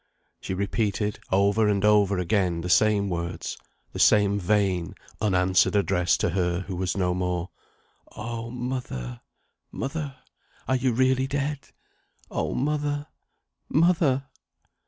She repeated, over and over again, the same words; the same vain, unanswered address to her who was no more. "Oh, mother! mother, are you really dead! Oh, mother, mother!"